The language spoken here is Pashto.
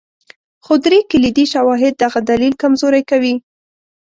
خو درې کلیدي شواهد دغه دلیل کمزوری کوي.